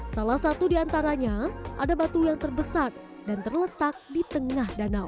salah satu di antaranya ada batu yang terbesar dan terletak di tengah danau